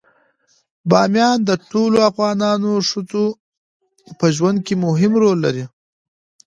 بامیان د ټولو افغان ښځو په ژوند کې مهم رول لري.